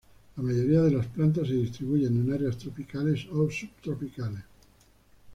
La mayoría de las plantas se distribuyen en áreas tropicales o subtropicales.